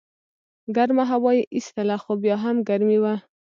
ګرمه هوا یې ایستله خو بیا هم ګرمي وه.